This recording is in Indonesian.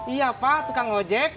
iya pak tukang ojek